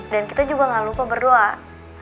kita juga gak lupa berdoa